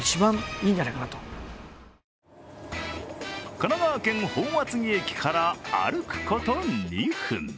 神奈川県本厚木駅から歩くこと２分。